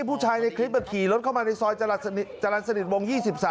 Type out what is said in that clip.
ผู้ชายในคลิปเขาขี่รถเข้ามาในซอยจรรย์สนิทจรรย์สนิทวง๒๓